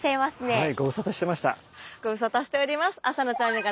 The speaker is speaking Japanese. はい。